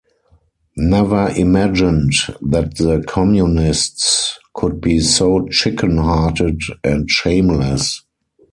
Never imagined that the Communists could be so chicken-hearted and shameless.